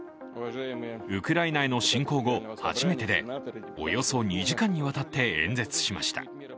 ウクライナへの侵攻後、初めてでおよそ２時間にわたって演説しました。